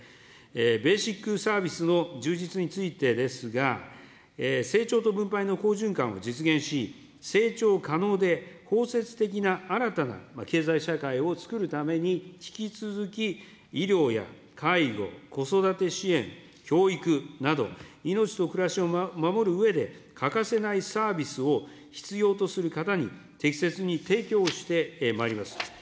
ベーシックサービスの充実についてですが、成長と分配の好循環を実現し、成長可能でほうせつ的な新たな経済社会をつくるために、引き続き医療や介護、子育て支援、教育など、命と暮らしを守るうえで欠かせないサービスを必要とする方に適切に提供してまいります。